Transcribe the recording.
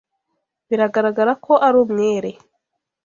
Biragaragara ko ari umwere.